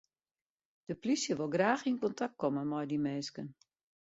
De polysje wol graach yn kontakt komme mei dy minsken.